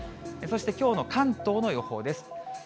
そしてきょうの関東の予報です。